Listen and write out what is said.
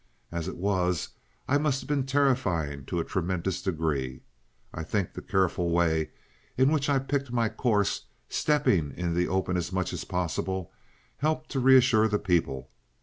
As it was, I must have been terrifying to a tremendous degree. I think the careful way in which I picked my course, stepping in the open as much as possible, helped to reassure the people.